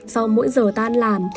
sau mỗi giờ tan làm